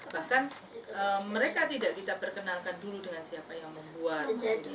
bahkan mereka tidak kita perkenalkan dulu dengan siapa yang membuat